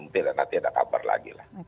nanti ada kabar lagi lah